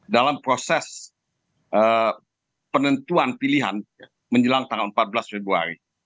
dalam proses penentuan pilihan menjelang tanggal empat belas februari